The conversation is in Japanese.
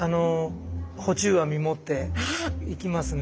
捕虫網持って行きますね。